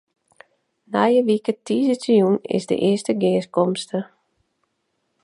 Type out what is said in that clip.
Nije wike tiisdeitejûn is de earste gearkomste.